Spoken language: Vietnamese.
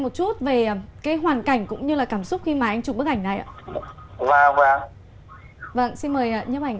một chút về cái hoàn cảnh cũng như là cảm xúc khi mà anh chụp bức ảnh này ạ vâng xin mời nhấp ảnh